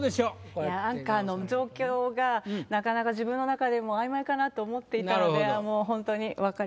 いやアンカーの状況がなかなか自分の中でも曖昧かなと思っていたのでもうほんとに分かりました。